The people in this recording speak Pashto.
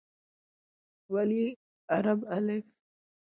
ولې عربي الفبې د پښتو لپاره پوره نه ده؟